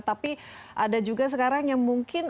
tapi ada juga sekarang yang mungkin